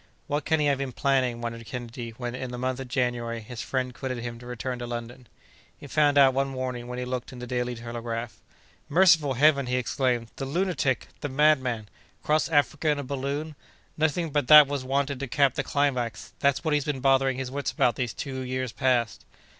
"What can he have been planning?" wondered Kennedy, when, in the month of January, his friend quitted him to return to London. He found out one morning when he looked into the Daily Telegraph. "Merciful Heaven!" he exclaimed, "the lunatic! the madman! Cross Africa in a balloon! Nothing but that was wanted to cap the climax! That's what he's been bothering his wits about these two years past!"